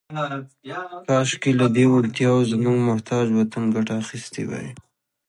« کاشکې، لهٔ دې وړتیاوو زموږ محتاج وطن ګټه اخیستې وای. »